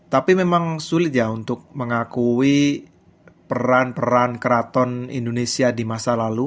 tapi memang sulit ya untuk mengakui peran peran keraton indonesia di masa lalu